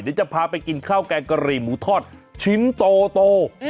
เดี๋ยวจะพาไปกินข้าวแกงกะหรี่หมูทอดชิ้นโต